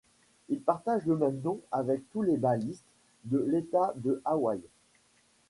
Il partage le même nom avec tous les balistes de l'État de Hawaii.